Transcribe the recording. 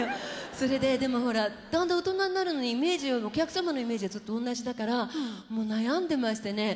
それででもほらだんだん大人になるのにお客様のイメージはずっとおんなじだからもう悩んでましたね。